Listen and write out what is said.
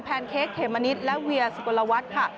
แภนเคกเขมมณีส์และเวียสุโกลวัดค่ะ